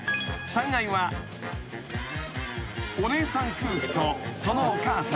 ［お姉さん夫婦とそのお母さん］